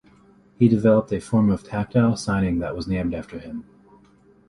He developed a form of tactile signing that was named after him.